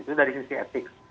itu dari sisi etik